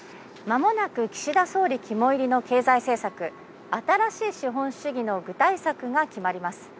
まもなく岸田総理肝煎りの経済政策、新しい資本主義の具体策が決まります。